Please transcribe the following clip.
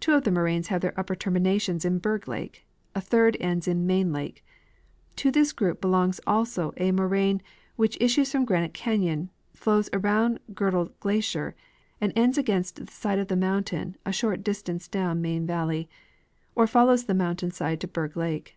Tw^o of the moraines have their upper terminations in Berg lake ; a third ends in Main lake. To this group belongs also a moraine which issues from Granite canyon, flows around Girdled glacier, and ends against the side of the mountain a short distance clown Main valley, or follows the mountain side to Berg lake.